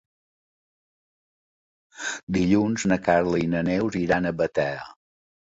Dilluns na Carla i na Neus iran a Batea.